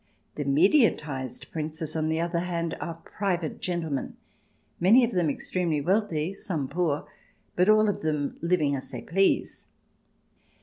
The mediatized Princes, on the other hand, are private gentlemen, many of them extremely wealthy, some poor, but all of them living as they please.